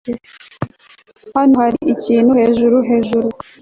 Hano hari ikintu hejuru hejuru